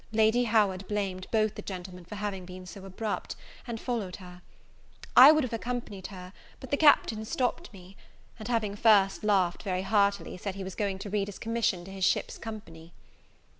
Lady Howard blamed both the gentlemen for having been so abrupt, and followed her. I would have accompanied her, but the Captain stopped me; and, having first laughed very heartily, said he was going to read his commission to his ship's company.